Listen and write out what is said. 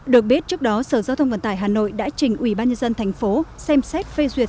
được biết trước đó sở giao thông vận tải hà nội đã trình ủy ban nhân dân tp xem xét phê duyệt